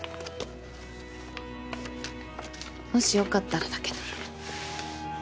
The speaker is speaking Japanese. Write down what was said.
もし良かったらだけど。